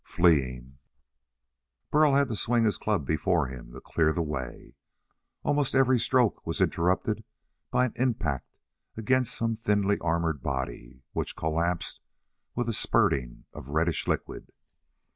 Fleeing, Burl had to swing his club before him to clear the way. Almost every stroke was interrupted by an impact against some thinly armored body which collapsed with the spurting of reddish liquid.